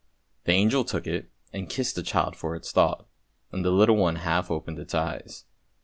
The angel took it and kissed the child for its thought, and the little one half opened its eyes.